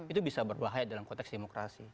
itu bisa berbahaya dalam konteks demokrasi